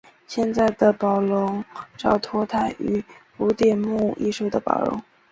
现在的宝龙罩脱胎于古典木艺品的宝笼。